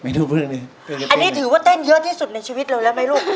อันที่ถือว่าเต็นเยอะที่สุดในชีวิตเลยละไม่ลูก